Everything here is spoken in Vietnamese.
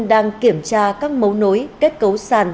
đang kiểm tra các mấu nối kết cấu sàn